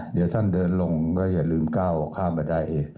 เดี๋ยวท่านเดินลงก็อย่าลืมก้าวข้ามบันได